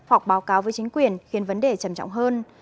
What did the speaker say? hoặc báo cáo với chính quyền khiến vấn đề trầm trọng hơn